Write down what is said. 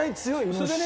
それでね